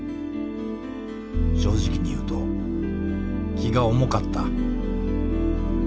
正直に言うと気が重かった